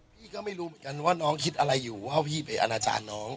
พี่ก็ไม่รู้เหมือนกันว่าน้องคิดอะไรอยู่ว่าเอาพี่ไปอนาจารย์น้อง